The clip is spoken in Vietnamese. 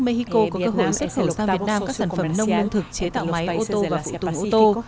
mexico có cơ hội sẽ sở hữu sang việt nam các sản phẩm nông nguồn thực chế tạo máy ô tô và phụ tùng ô tô